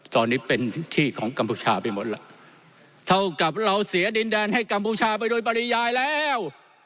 ตอนนี้เป็นที่ของกัมพูชาไปหมดแล้วเท่ากับเราเสียดินแดนให้กัมพูชาไปโดยปริยายแล้ว